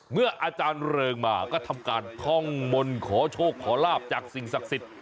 เมื่ออาจารย์เริงมาก็ทำการท่องมนต์ขอโชคขอลาบจากสิ่งศักดิ์สิทธิ์